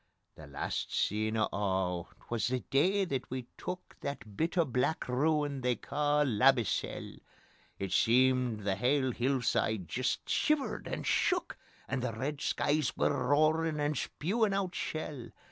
..... The last scene o' a' 'twas the day that we took That bit o' black ruin they ca' Labbiesell. It seemed the hale hillside jist shivered and shook, And the red skies were roarin' and spewin' oot shell.